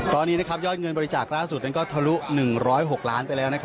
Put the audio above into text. ตอนนี้ยอดเงินบริจาคล่าสุดนั้นก็ทะลุ๑๐๖ล้านไปแล้ว